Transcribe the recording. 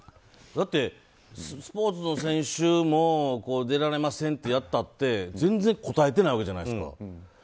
だってスポーツの選手も出られませんってなったって全然こたえてないわけじゃないですか。